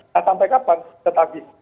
nah sampai kapan setelah pagi